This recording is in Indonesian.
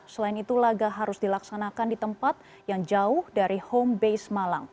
selain itu laga harus dilaksanakan di tempat yang jauh dari home base malang